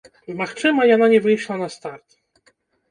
Магчыма, яна не выйшла на старт.